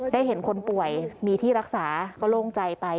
ได้เห็นคนป่วยมีที่รักษาก็โล่งใจไป